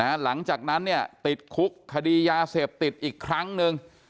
หลังจากนั้นเนี่ยติดคุกคดียาเสพติดอีกครั้งหนึ่ง